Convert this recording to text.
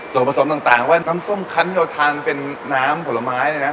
ส่วนผสมต่างว่าน้ำส้มคันเยาทานเป็นน้ำผลไม้